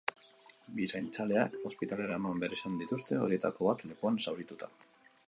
Bi zaintzaileak ospitalera eraman behar izan dituzte, horietako bat lepoan zaurituta.